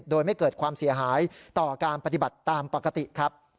โดยไม่เกิดความเสียหายต่อการปฏิบัติตามปกติครับ